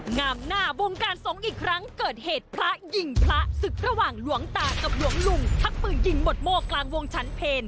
งามหน้าวงการสงฆ์อีกครั้งเกิดเหตุพระยิงพระศึกระหว่างหลวงตากับหลวงลุงทักปืนยิงหมดโม่กลางวงชั้นเพล